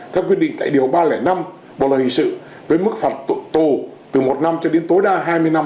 theo quy định tại điều ba trăm linh năm bộ lợi hình sự với mức phạt tổ tổ từ một năm cho đến tối đa hai mươi năm